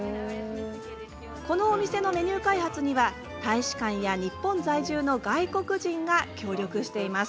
こちらのお店のメニュー開発には大使館や日本在住の外国人が協力しています。